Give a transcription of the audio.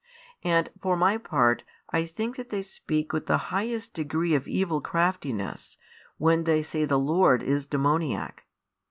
And for my part I think that they speak with the highest degree of evil craftiness, when they say the Lord is demoniac.